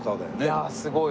いやあすごい。